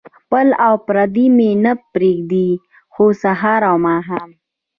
خپل او پردي مې نه پرېږدي خو سهار او ماښام.